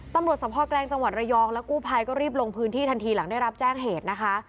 ตำรวจสภแกลงจังหวัดระยองและกู้ภัยก็รีบลงพื้นที่ทันทีหลังได้รับแจ้งเหตุนะคะ